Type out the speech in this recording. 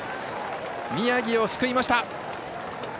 宮城を救いました。